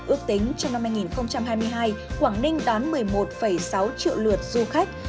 ước tính trong năm hai nghìn hai mươi hai quảng ninh đón một mươi một sáu triệu lượt du khách